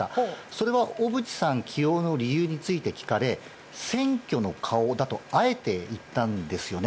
それは、小渕さん起用の理由について聞かれ選挙の顔だとあえて言ったんですよね。